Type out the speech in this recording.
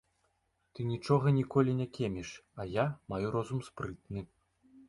Ты нічога ніколі не кеміш, а я маю розум спрытны.